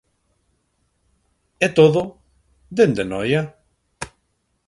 E todo dende Noia.